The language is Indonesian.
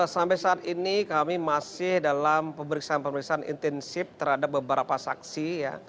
sampai saat ini kami masih dalam pemeriksaan pemeriksaan intensif terhadap beberapa saksi ya